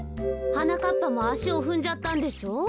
はなかっぱもあしをふんじゃったんでしょう？